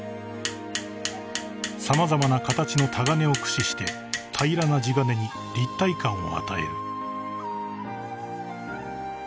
［様々な形のたがねを駆使して平らな地金に立体感を与える］